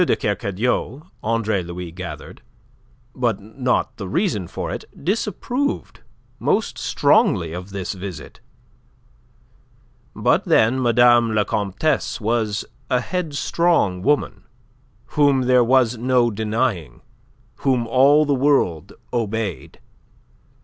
de Kercadiou, Andre Louis gathered, but not the reason for it, disapproved most strongly of this visit. But then Madame la Comtesse was a headstrong woman whom there was no denying, whom all the world obeyed.